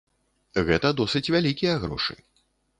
Гэта досыць вялікія грошы.